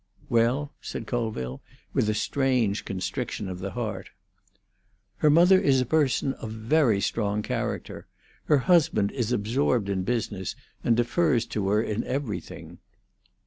"Well?" said Colville, with a strange constriction of the heart. "Her mother is a person of very strong character; her husband is absorbed in business, and defers to her in everything."